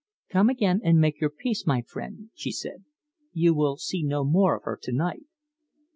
"Come again and make your peace, my friend," she said. "You will see no more of her to night."